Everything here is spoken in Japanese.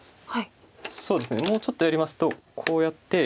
そうですねもうちょっとやりますとこうやって。